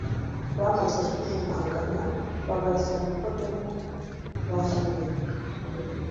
Bamaze kwiyumanganya babaza Nikodemu bamunnyega